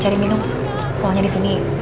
cari minum soalnya disini